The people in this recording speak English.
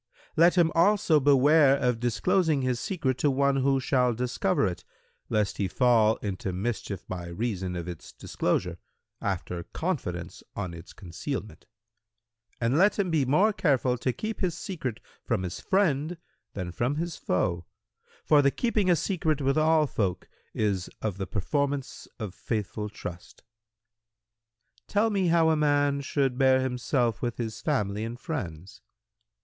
Let him also beware of disclosing his secret to one who shall discover it, lest he fall into mischief by reason of its disclosure, after confidence on its concealment; and let him be more careful to keep his secret from his friend than from his foe; for the keeping a secret with all folk is of the performance of faithful trust." Q "Tell me how a man should bear himself with his family and friends."